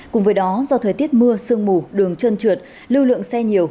cùng với đó do thời tiết mưa sương mù đường trơn trượt lưu lượng xe nhiều